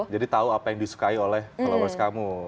jadi tahu apa yang disukai oleh followers kamu